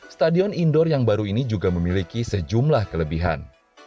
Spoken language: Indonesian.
stadion indoor yang baru ini juga memiliki sejumlah kelebihan